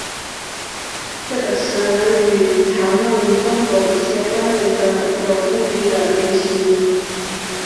这个词语常用于中国一些官员的有目的言行。